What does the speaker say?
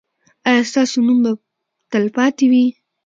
ایا ستاسو نوم به تلپاتې وي؟